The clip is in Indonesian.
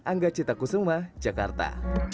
angga cita kusuma jakarta